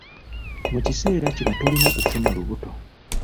Mu kiseera kino tolina kufuna lubuto.